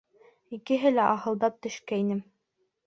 Икеһе лә аһылдап төшкәйне.